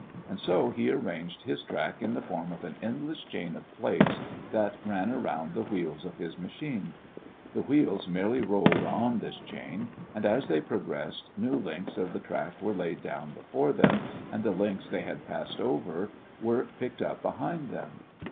And so he arranged his track in the form of an endless chain of plates that ran around the wheels of his machine. The wheels merely rolled on this chain, and as they progressed, new links of the track were laid down before them and the links they had passed over were picked up behind them.